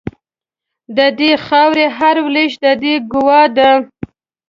د دې خاوري هر لوېشت د دې ګوا ده